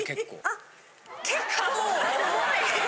あっ。